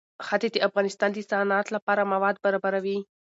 ښتې د افغانستان د صنعت لپاره مواد برابروي.